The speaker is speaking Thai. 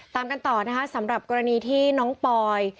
ตามกันต่อนะคะสำหรับกรณีที่น้องปอย